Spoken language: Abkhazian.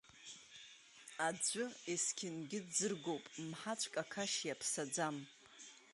Аӡәы есқьынгьы дӡыргоуп, мҳаҵәк ақашь иаԥсаӡам!